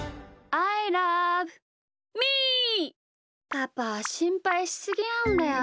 パパしんぱいしすぎなんだよ。